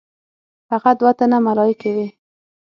هغه دوه تنه ملایکې وې.